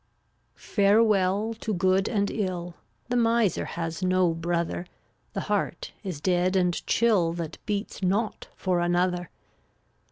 392 Farewell to good and ill; The miser has no brother; The heart is dead and chill That beats not for another.